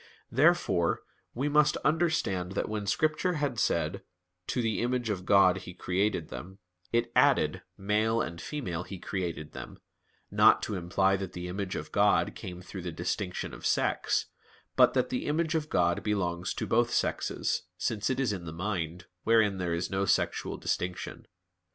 Therefore we must understand that when Scripture had said, "to the image of God He created him," it added, "male and female He created them," not to imply that the image of God came through the distinction of sex, but that the image of God belongs to both sexes, since it is in the mind, wherein there is no sexual distinction.